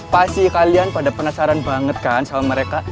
pasti kalian pada penasaran banget kan sama mereka